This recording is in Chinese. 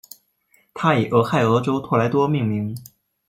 它以俄亥俄州托莱多命名。